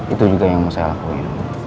itu juga yang mau saya lakuin